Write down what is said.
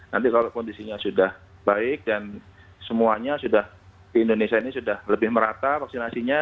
nanti kalau kondisinya sudah baik dan semuanya sudah di indonesia ini sudah lebih merata vaksinasinya